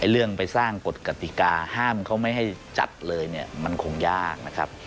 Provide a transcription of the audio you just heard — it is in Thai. เรื่องไปสร้างกฎกติกาห้ามเขาไม่ให้จัดเลยเนี่ยมันคงยากนะครับ